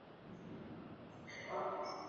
kwa hiyo nikiangalia mambo yalivyo